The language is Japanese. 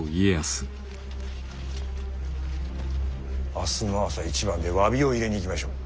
明日の朝一番で詫びを入れに行きましょう。